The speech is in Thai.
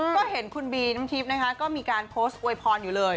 ก็เห็นคุณบีน้ำทิพย์นะคะก็มีการโพสต์อวยพรอยู่เลย